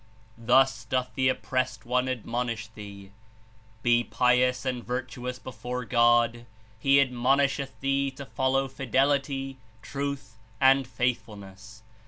Thus doth the Oppressed One admonish thee. Be pious and virtu ous before God. He admonlsheth thee to follow fidelity, truth and faithfulness.